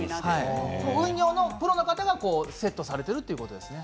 運用のプロの方がセットされているということですね。